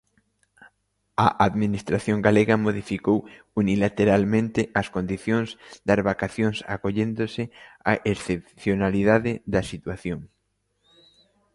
A Administración galega modificou unilateralmente as condicións das vacacións acolléndose á excepcionalidade da situación.